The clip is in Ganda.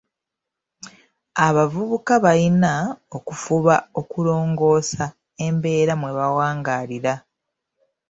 Abavubuka balina okufuba okulongoosa embeera mwe bawangaalira.